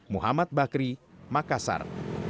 muhammad bakri makassar